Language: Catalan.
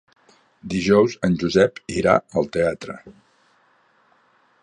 Dijous en Josep irà al teatre.